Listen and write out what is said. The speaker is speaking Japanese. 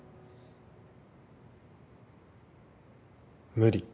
無理。